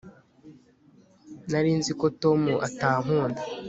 nari nzi ko tom atankunda